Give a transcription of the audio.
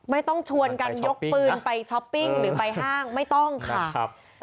ไม่ต้องชวนกันยกปืนไปช้อปปิ้งหรือไปห้างไม่ต้องค่ะครับ